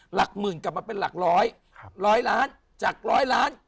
หลักหมื่นกลับมาเป็นหลักร้อยครับร้อยล้านจากร้อยล้าน